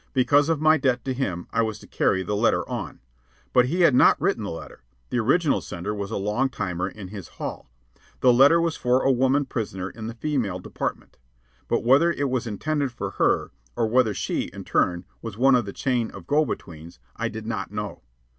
Because of my debt to him I was to carry the letter on. But he had not written the letter. The original sender was a long timer in his hall. The letter was for a woman prisoner in the female department. But whether it was intended for her, or whether she, in turn, was one of the chain of go betweens, I did not know.